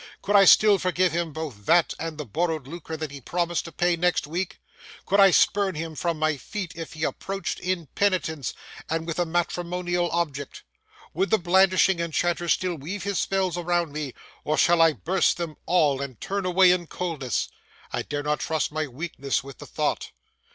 Could I still forgive him both that and the borrowed lucre that he promised to pay next week! Could I spurn him from my feet if he approached in penitence, and with a matrimonial object! Would the blandishing enchanter still weave his spells around me, or should I burst them all and turn away in coldness! I dare not trust my weakness with the thought.